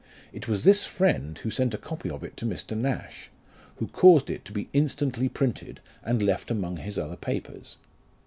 It was this friend who sent a copy of it to Mr. Nash, who caused it to be instantly printed, and left among his other papers.